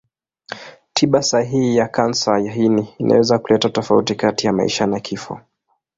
Tiba sahihi ya kansa ya ini inaweza kuleta tofauti kati ya maisha na kifo.